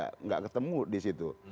tidak ketemu di situ